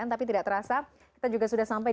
tapi tidak terasa kita juga sudah sampai